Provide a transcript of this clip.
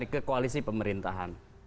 ke koalisi pemerintahan